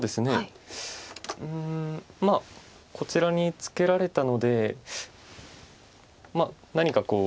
うんこちらにツケられたのでまあ何かこう。